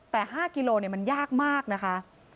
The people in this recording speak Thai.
แต่๕กิโลมันยากมากนะคะ